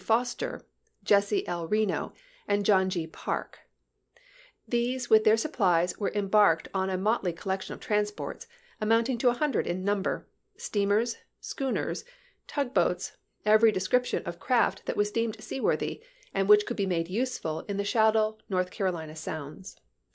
Foster, Jesse L. Reno, and John G. Parke. These with their supplies were em barked on a motley collection of transports, about a hundred in number — steamers, schooners, tug Vol. IX. p. 3.38. ROANOKE ISLAND ' 243 boats, every description of craft that was deemed chap.xiv. seaworthy, and which could be made useful in the shallow North Carolina sounds.